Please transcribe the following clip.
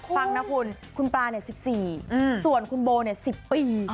ฟังนะคุณคุณปลา๑๔ส่วนคุณโบ๑๐ปี